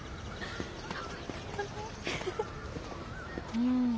うん。